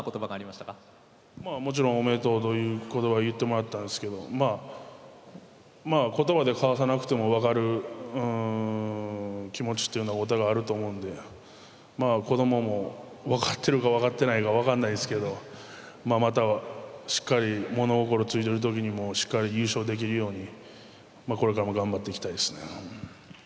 まあもちろん「おめでとう」という言葉を言ってもらったんですけど言葉で交わさなくても分かる気持ちっていうのはお互いあると思うんで子供も分かってるか分かってないか分かんないですけどまたしっかり物心ついてる時にもしっかり優勝できるようにこれからも頑張っていきたいですね。